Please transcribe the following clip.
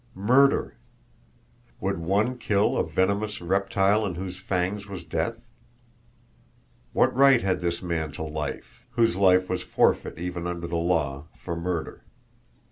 Murder! Would one kill a venomous reptile in whose fangs was death? What right had this man to life, whose life was forfeit even under the law for murder?